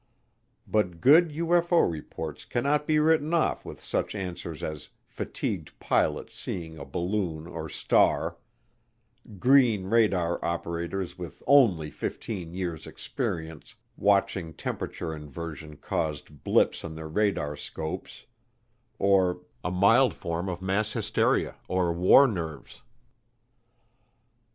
But good UFO reports cannot be written off with such answers as fatigued pilots seeing a balloon or star; "green" radar operators with only fifteen years' experience watching temperature inversion caused blips on their radarscopes; or "a mild form of mass hysteria or war nerves."